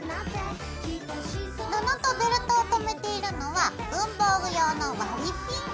布とベルトをとめているのは文房具用の割りピン。